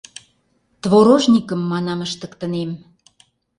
— Творожникым, манам, ыштыктынем.